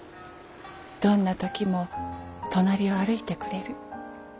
どんな時も隣を歩いてくれる。